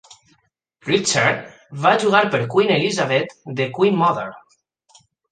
Richter va jugar per Queen Elizabeth The Queen Mother.